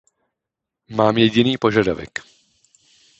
Mám jediný požadavek.